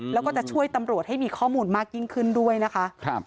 แล้วก็จะช่วยตำรวจให้มีข้อมูลมากยิ่งขึ้นด้วยนะคะ